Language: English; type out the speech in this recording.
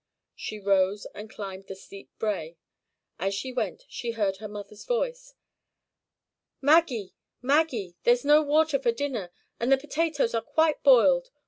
She rose and climbed the steep brae. As she went she heard her mother's voice. "Maggie! Maggie! there's no water for dinner, and the potatoes are quite boiled.